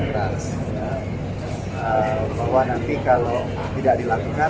bahwa nanti kalau tidak dilakukan